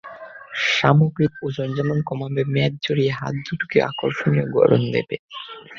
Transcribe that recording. সামগ্রিক ওজন যেমন কমাবে, মেদ ঝরিয়ে হাত দুটোকেও আকর্ষণীয় গড়ন দেবে।